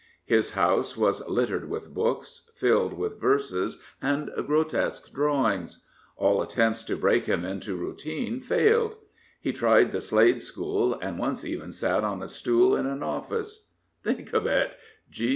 His house was littered with books, filled with verses and grotesque drawings. All attempts to break him into routine failed. He tried the Slade School, and once even sat on a stool in an office. Think of it!